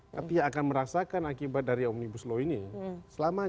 tapi akan merasakan akibat dari omnibus law ini selamanya